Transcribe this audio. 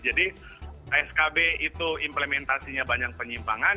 jadi skb itu implementasinya banyak penyimpangan